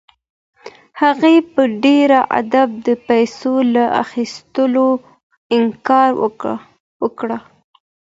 هغې په ډېر ادب د پیسو له اخیستلو انکار وکړ.